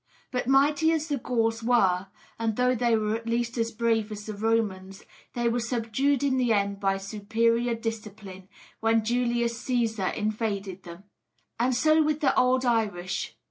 But mighty as the Gauls were, and though they were at least as brave as the Romans, they were subdued in the end by superior discipline, when Julius Cæsar invaded them. And so with the old Irish.